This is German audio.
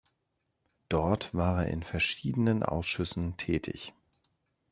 Dort war er in verschiedenen Ausschüssen tätig.